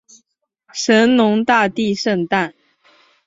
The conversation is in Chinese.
神农大帝圣诞